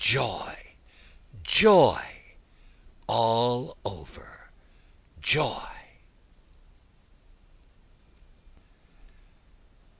Joy! joy! all over joy!